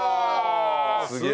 すげえ。